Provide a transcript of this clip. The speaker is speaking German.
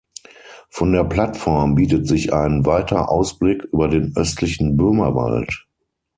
Von der Plattform bietet sich ein weiter Ausblick über den östlichen Böhmerwald.